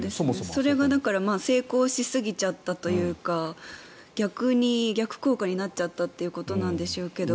それが成功しすぎちゃったというか逆効果になっちゃったということなんでしょうけど。